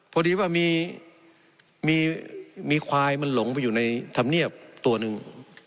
พอดีว่ามีควายมันหลงไปอยู่ในธรรมเนียบตัวหนึ่ง